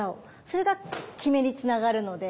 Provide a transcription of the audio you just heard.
それが極めにつながるので。